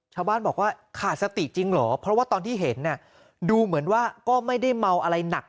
ชาวบ้านบอกว่าขาดสติจริงเหรอเพราะว่าตอนที่เห็นดูเหมือนว่าก็ไม่ได้เมาอะไรหนัก